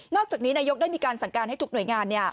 อกจากนี้นายกได้มีการสั่งการให้ทุกหน่วยงาน